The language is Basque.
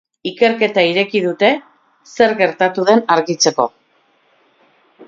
Ikerketa ireki dute zer gertatu den argitzeko.